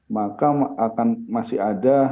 maka akan masih ada